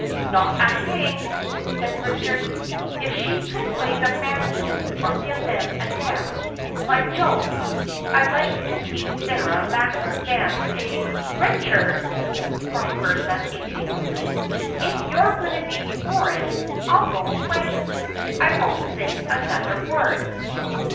"Not a hang!" said Richard. "If she could play the banjo, or give them a dance—by Jove, I'd like to see Sarah Latimer dance a—" "Richard!" cried Bertha, indignantly. "If you're going to be horrid I'll go away, I won't say another word."